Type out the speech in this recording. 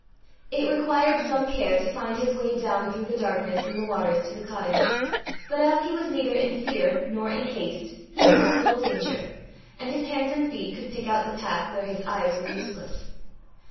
It required some care to find his way down through the darkness and the waters to the cottage, but as he was neither in fear nor in haste, he was in little danger, and his hands and feet could pick out the path where his eyes were useless.